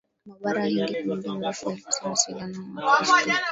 mwa Bara Hindi Kwa muda mrefu walikosa mawasiliano na Wakristo